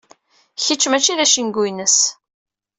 Kečč mačči d acengu-ines.